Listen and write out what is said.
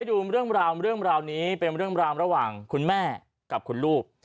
ดูเรื่องราวเรื่องราวนี้เป็นเรื่องราวระหว่างคุณแม่กับคุณลูก